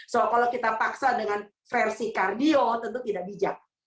so kalau kita paksa dengan versi kardio tentu tidak bijak